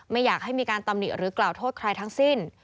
ไม่อยากให้มีการตำหนิหรือกล่าวโทษใครทั้งสิ้น